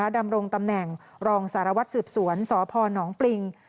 ดำรงตำแหน่งรองสารวัตรสืบสวนสพนปริง